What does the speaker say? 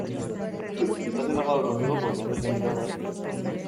estás enojado conmigo porque antes he mirado a ése...